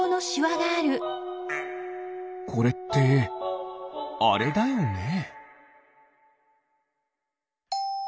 これってあれだよね？